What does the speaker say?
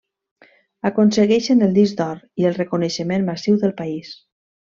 Aconsegueixen el disc d'Or i el reconeixement massiu del país.